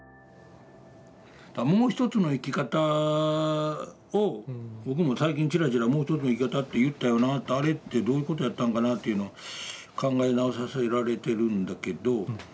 もう一つの生き方を僕も最近チラチラもう一つの生き方って言ったよなとあれってどういうことやったんかなっていうのを考え直させられてるんだけど。